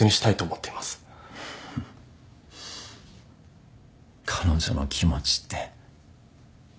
フフ彼女の気持ちって。